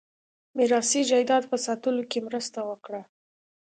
میراثي جایداد په ساتلو کې مرسته وکړه.